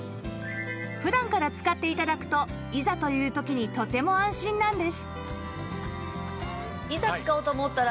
普段から使って頂くといざという時にとても安心なんです